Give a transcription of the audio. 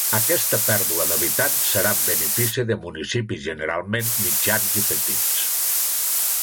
Aquesta pèrdua d'habitants serà en benefici de municipis generalment mitjans i petits.